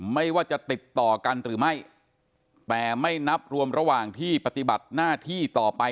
ไม่ว่าจะติดต่อกันหรือไม่แต่ไม่นับรวมระหว่างที่ปฏิบัติหน้าที่ต่อไป